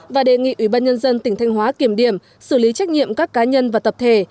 và đề nghị ủy ban nhân dân tỉnh thanh hóa kiểm điểm xử lý trách nhiệm các cá nhân và tập thể